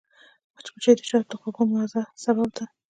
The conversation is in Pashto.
مچمچۍ د شاتو د خوږو مزو سبب ده